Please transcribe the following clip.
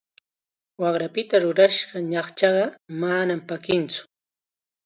Waqrapita rurashqa ñaqchaqa manam pakikantsu.